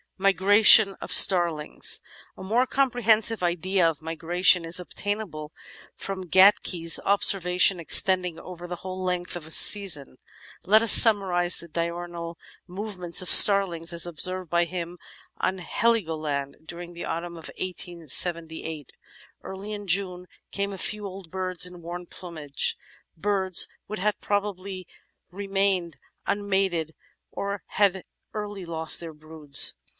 Migration of Starlings A more comprehensive idea of migration is obtainable from Gatke's observations extending over the whole length of a season; let us summarise the diurnal movements of starlings, as observed by him on Heligoland during the autumn of 1878. Early in June came a few old birds in worn plumage, birds which had probably ren^ained unmated or had early lost their broods.